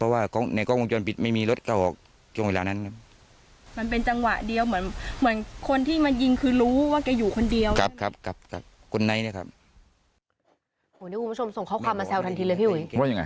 วันนี้คุณผู้ชมส่งข้อความมาแซวทันทีเลยพี่หุย